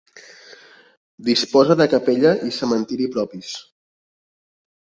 Disposa de capella i cementiri propis.